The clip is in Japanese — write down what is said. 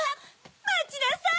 まちなさい！